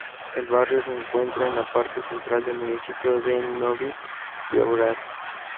El barrio se encuentra en la parte central del municipio de Novi Beograd.